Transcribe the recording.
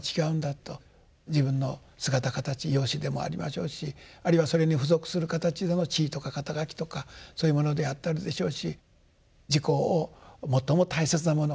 自分の姿形容姿でもありましょうしあるいはそれに付属する形での地位とか肩書とかそういうものであったりでしょうし自己を最も大切なもの